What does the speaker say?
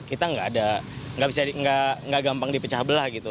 kita nggak ada nggak gampang dipecah belah gitu